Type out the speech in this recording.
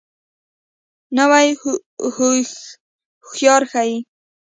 نوې هوښه هوښیاري ښیي